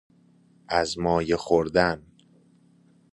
از مایه خوردن